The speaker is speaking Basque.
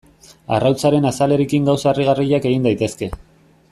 Arrautzaren azalarekin gauza harrigarriak egin daitezke.